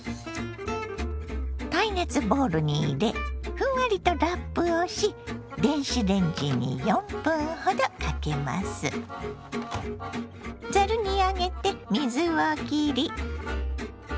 耐熱ボウルに入れふんわりとラップをし電子レンジにざるに上げて水をきり。